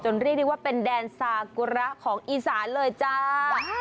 เรียกได้ว่าเป็นแดนซากุระของอีสานเลยจ้า